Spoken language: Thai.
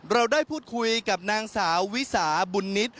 เราได้พูดคุยกับนางสาววิสาบุญนิต